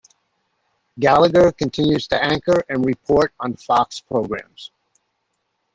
Gallagher continues to anchor and report on Fox programs.